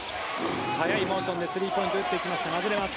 速いモーションでスリーポイントを打っていきましたが外れます。